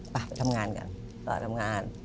ไปทำงานกัน